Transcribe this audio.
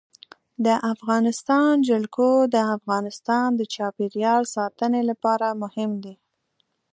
د افغانستان جلکو د افغانستان د چاپیریال ساتنې لپاره مهم دي.